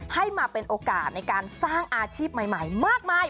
ให้มาเป็นโอกาสในการสร้างอาชีพใหม่มากมาย